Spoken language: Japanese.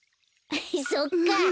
そっかあ！